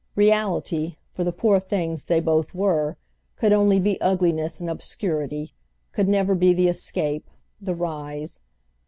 Reality, for the poor things they both were, could only be ugliness and obscurity, could never be the escape, the rise.